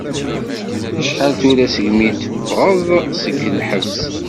Acḥal tura segmi d-teffɣeḍ seg lḥebs?